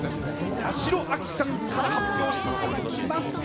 八代亜紀さんから発表させていただきます。